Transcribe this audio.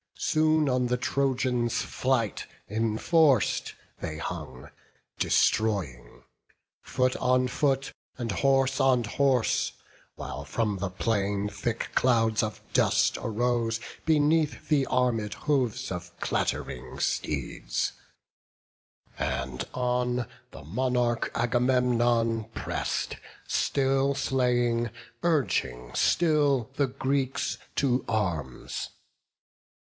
Soon on the Trojans' flight enforc'd they hung, Destroying; foot on foot, and horse on horse; While from the plain thick clouds of dust arose Beneath the armed hoofs of clatt'ring steeds; And on the monarch Agamemnon press'd, Still slaying, urging still the Greeks to arms.